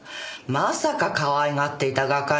まさかかわいがっていた画家に。